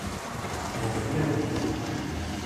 Heblent.